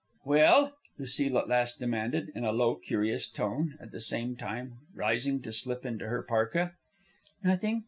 "Well?" Lucile at last demanded, in a low, curious tone, at the same time rising to slip into her parka. "Nothing.